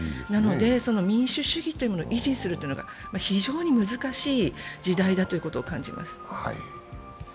なので民主主義を維持するのが非常に難しい時代だということを感じます。